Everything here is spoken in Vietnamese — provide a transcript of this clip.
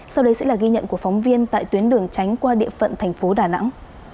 sau đây sẽ là ghi nhận của phóng viên tại tuyến đường tránh qua địa phận thành phố đà nẵng